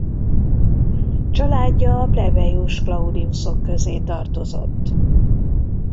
Családja a plebeius Claudiusok közé tartozott.